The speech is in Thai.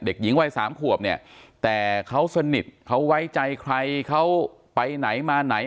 เด็กหญิงวัยสามขวบเนี่ยแต่เขาสนิทเขาไว้ใจใครเขาไปไหนมาไหน